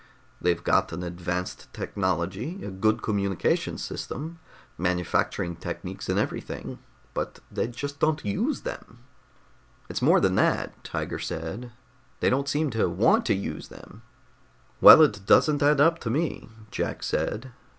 They've got an advanced technology, a good communications system, manufacturing techniques and everything, but they just don't use them." "It's more than that," Tiger said. "They don't seem to want to use them." "Well, it doesn't add up, to me," Jack said.